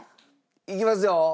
いきますよ。